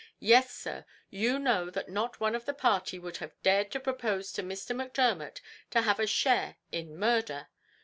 Yes, sir, you know that not one of the party would have dared to propose to Mr. Macdermot to have a share in murder.